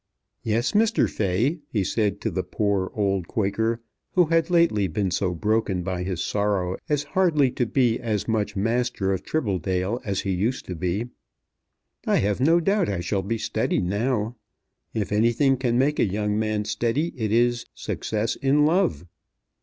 "Yes, Mr. Fay," he said to the poor old Quaker, who had lately been so broken by his sorrow as hardly to be as much master of Tribbledale as he used to be, "I have no doubt I shall be steady now. If anything can make a young man steady it is success in love."